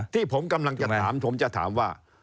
ที่ผมกำลังจะถามผมจะถามว่า